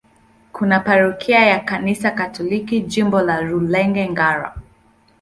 Kuna parokia ya Kanisa Katoliki, Jimbo la Rulenge-Ngara.